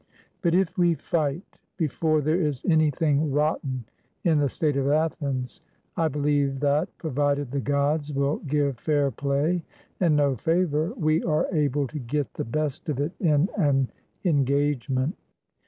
But if we fight, before there is anything rotten in the state of Athens, I believe that, provided the gods will give fair play and no favor, we are able to get the best of it in an engagement."